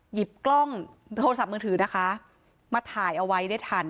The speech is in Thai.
หยิบกล้องโทรศัพท์มือถือนะคะมาถ่ายเอาไว้ได้ทัน